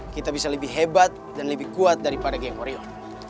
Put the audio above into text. kita bisa lebih hebat dan lebih kuat daripada gangkorio